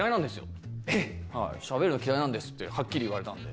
「しゃべるの嫌いなんです」ってはっきり言われたんで。